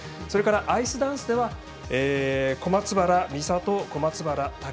それからアイスダンスでは小松原美里、小松原尊